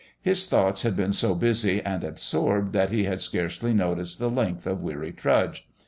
His thoughts had been so busy and absorbed that he had hardly noticed the length of weary trudge....